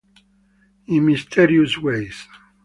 In Mysterious Ways